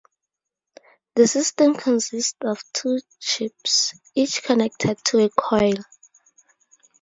The system consists of two chips, each connected to a coil.